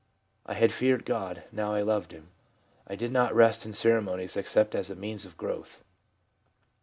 I had feared God, now I loved Him. I did not rest in ceremonies, except as a means of growth.'